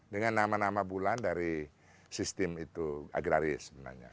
dengan nama nama bulan dari sistem itu agraris sebenarnya